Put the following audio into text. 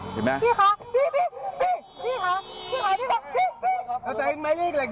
เห็นไหม